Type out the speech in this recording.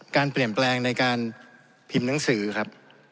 การเปลี่ยนแปลงในการพิมพ์หนังสือครับ